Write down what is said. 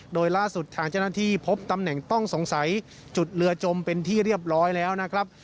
โดยล่าสุดทางเจ้าหน้าที่พบตำแหน่งต้องสงสัยจุดเรือจมเป็นที่เรียบร้อยแล้วนะครับ